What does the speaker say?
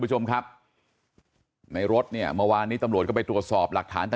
คุณผู้ชมครับในรถเนี่ยเมื่อวานนี้ตำรวจก็ไปตรวจสอบหลักฐานต่าง